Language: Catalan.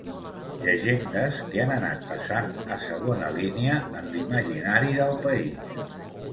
Llegendes que han anat passant a segona línia en l'imaginari del país